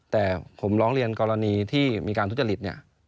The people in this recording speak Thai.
แต่ผมร้องเรียนกรณีที่มีการทุจริตเนี่ย